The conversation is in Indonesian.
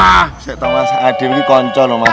saya tahu mas adil ini konco loh mas